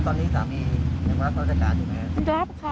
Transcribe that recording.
ตอนนี้สามียังรับราชการอยู่ไหมครับ